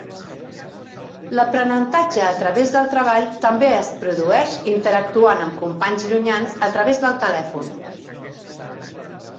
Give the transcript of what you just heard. L'aprenentatge a través del treball també es produeix interactuant amb companys llunyans a través del telèfon.